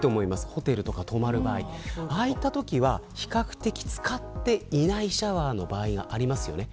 ホテルとかに泊まる場合ああいったときは比較的使っていないシャワーの場合がありますよね。